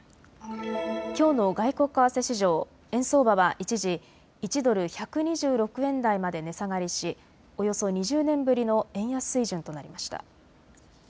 きょうの外国為替市場、円相場は一時、１ドル１２６円台まで値下がりしおよそ２０年ぶりの円安水準となりました。